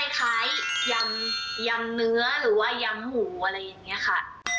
คล้ายยำเนื้อหรือว่ายำหมูอะไรอย่างนี้ค่ะ